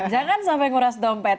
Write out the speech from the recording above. jangan sampai nguras dompet